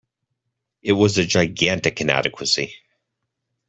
It was a gigantic inadequacy.